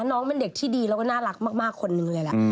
น้องเป็นเด็กที่ดีแล้วก็น่ารักมากคนนึงเลยแหละ